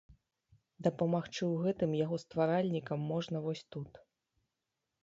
Дапамагчы ў гэтым яго стваральнікам можна вось тут.